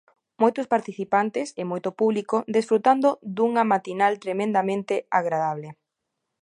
Moitos participantes e moito público desfrutando dunha matinal tremendamente agradable.